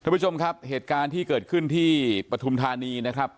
ผู้ชมครับเหตุการณ์ที่เกิดขึ้นที่ปฐุมธานีนะครับ